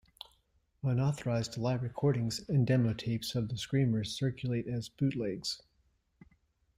Unauthorized live recordings and demo tapes of the Screamers circulate as bootlegs.